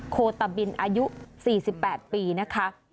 โคตะบินอายุ๔๘ปีนะคะ